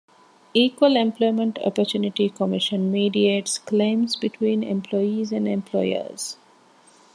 Equal Employment Opportunity Commission mediates claims between employees and employers.